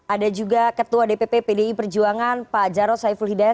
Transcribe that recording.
ada juga ketua dpp pdi perjuangan pak jarod saiful hidayat